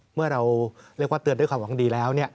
เมื่อเราเรียกว่าเตือนด้วยความหวังดีแล้ว